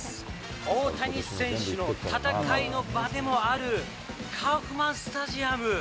大谷選手の戦いの場でもあるカウフマンスタジアム。